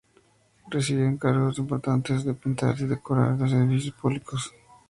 Recibió encargos importantes para pintar y decorar de los edificios públicos.